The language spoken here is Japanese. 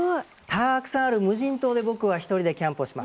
たくさんある無人島で僕は１人でキャンプをします。